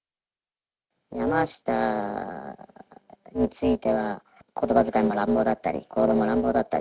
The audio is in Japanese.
山下については、ことばづかいも乱暴だったり、行動も乱暴だったり。